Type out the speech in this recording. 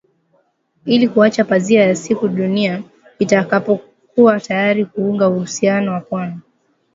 ili kuacha pazia ya siku dunia itakapokuwa tayari kuunga uhusiana na Pwani.